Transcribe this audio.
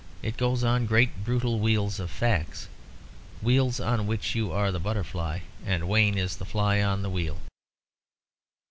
It goes on great brutal wheels of facts wheels on which you are the butterfly; and Wayne is the fly on the wheel."